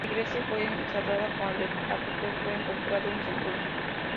La iglesia fue cerrada cuándo el chapitel fue encontrado inseguro.